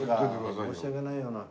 申し訳ないよな。